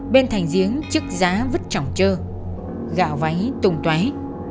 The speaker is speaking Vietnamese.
bên thành giếng chức giá vứt trỏng trơ gạo váy tùng toái